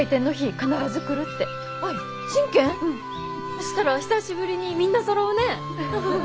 そしたら久しぶりにみんなそろうね！